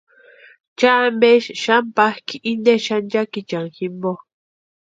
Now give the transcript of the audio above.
¿Cha ampesï xáni pákʼi inte xanchakichani jimpo?